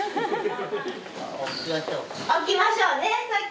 起きましょうか。